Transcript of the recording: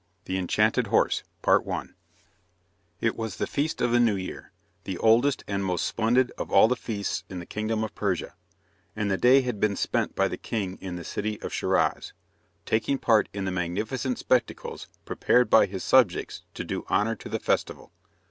The Enchanted Horse It was the Feast of the New Year, the oldest and most splendid of all the feasts in the Kingdom of Persia, and the day had been spent by the king in the city of Schiraz, taking part in the magnificent spectacles prepared by his subjects to do honour to the festival.